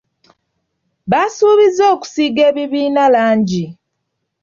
Baasuubiza okusiiga ebibiina langi.